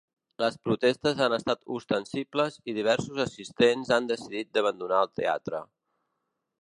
Les protestes han estat ostensibles i diversos assistents han decidit d’abandonar el teatre.